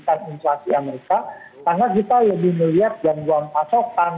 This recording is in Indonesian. karena kita lebih melihat yang buang pasokan